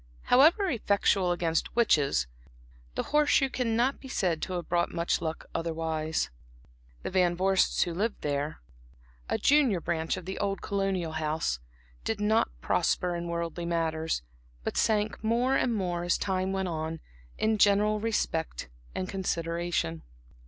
However effectual against witches, the horse shoe cannot be said to have brought much luck otherwise. The Van Vorsts who lived there, a junior branch of the old colonial house, did not prosper in worldly matters, but sank more and more as time went on, in general respect and consideration.